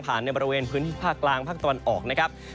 ในบริเวณพื้นที่ภาคกลางภาคตะวันออกนะครับ